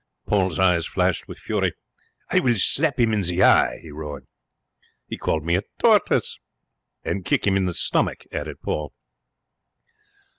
Paul's eyes flashed with fury. 'I will slap him in the eye,' he roared. 'He called me a tortoise.' 'And kick him in the stomach,' added Paul.